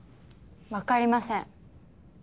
わかりません。